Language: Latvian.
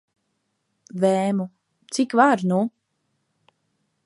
Vēmu. Cik var, nu?